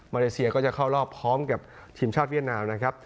เลเซียก็จะเข้ารอบพร้อมกับทีมชาติเวียดนามนะครับ